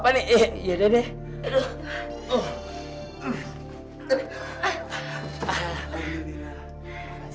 apa yang kamu yang tetap clark burauk fancy